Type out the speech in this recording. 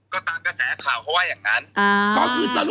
ก็ตามกระแสข่าวเขาว่าอย่างนั้น